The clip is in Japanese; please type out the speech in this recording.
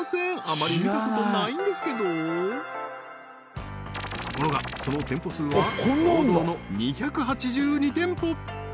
あまり見たことないんですけどところがその店舗数は堂々の２８２店舗